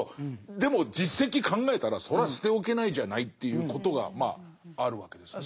でも実績考えたらそれは捨ておけないじゃないということがまああるわけですね。